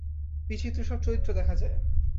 বিচিত্র সব চরিত্র দেখা যায়।